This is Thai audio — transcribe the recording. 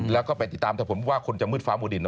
แล้วก็ไปติดตามถ้าผมว่าคนจะมืดฟ้ามูดิน